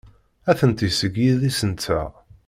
Atenti seg yidis-nteɣ.